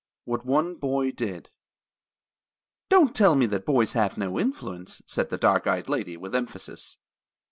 WHAT ONE BOY DID "Don't tell me that boys have no influence," said the dark eyed lady, with emphasis.